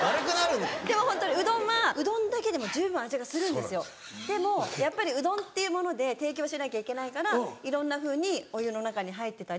でもホントにうどんはうどんだけでも十分味がするんですよでもやっぱりうどんっていうもので提供しなきゃいけないからいろんなふうにお湯の中に入ってたり。